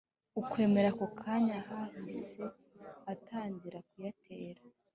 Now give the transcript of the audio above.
ukwemera, ako kanya yahise atangira kuyatera